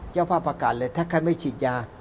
เจ้าภาพประกาศเลยถ้าใครไม่ฉีดยา